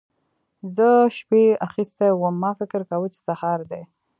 زه شپې اخيستی وم؛ ما فکر کاوو چې سهار دی.